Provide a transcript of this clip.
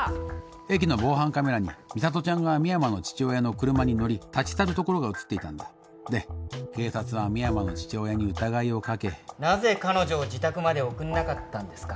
駅の防犯カメラに美里ちゃんが深山の父親の車に乗り立ち去るところが写っていたんだで警察は深山の父親に疑いをかけなぜ彼女を自宅まで送んなかったんですか？